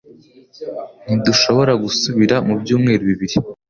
Ntidushobora gusubira mubyumweru bibiri.